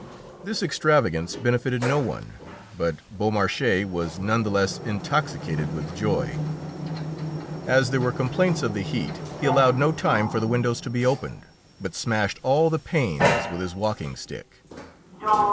This extravagance benefited no one, but Beaumarchais was none the less intoxicated with joy. As there were complaints of the heat, he allowed no time for the windows to be opened, but smashed all the panes with his walking stick.